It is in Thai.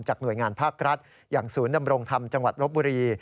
หน่วยงานภาครัฐอย่างศูนย์ดำรงธรรมจังหวัดลบบุรี